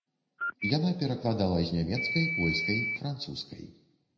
Яна перакладала з нямецкай, польскай, французскай.